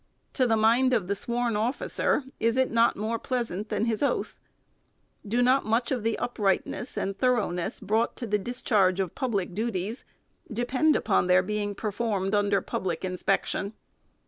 To the mind of the sworn officer, is it not more pleasant than his oath ? Do not much of the uprightness and thorough ness brought to the discharge of public duties depend upon their being performed under public inspection?